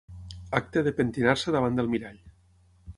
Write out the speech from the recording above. Acte de pentinar-se davant del mirall.